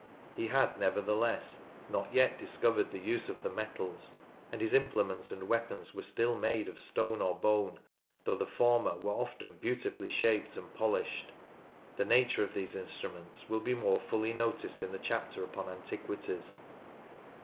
He had, nevertheless, not yet discovered the use of the metals, and his implements and weapons were still made of stone or bone, though the former were often beautifully shaped and polished. The nature of these instruments will be more fully noticed in the chapter upon Antiquities.